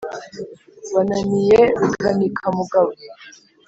Bananiye Rukanikamugabo